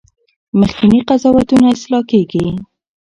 مخکني قضاوتونه اصلاح کیږي.